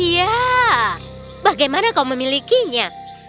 ya bagaimana kau memilikinya